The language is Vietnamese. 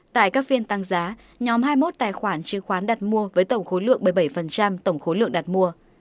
tại các phiên tăng giá nhóm hai mươi một tài khoản chứng khoán đặt mua với tổng khối lượng một mươi bảy tổng khối lượng đặt mua